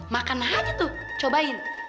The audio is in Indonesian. makan aja tuh cobain